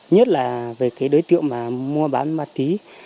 nhất là về cái đối tượng mà mua bán mặt tí